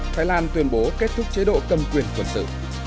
thái lan tuyên bố kết thúc chế độ cầm quyền quân sự